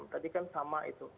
tadi kan sama itu